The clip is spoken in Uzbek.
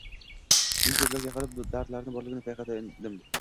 Men koʻzlariga qarab dardlari borligini payqagandim..